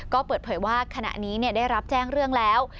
ก็เปิดเผยว่าขณะนี้ได้รับแจ้งเรื่องแล้ว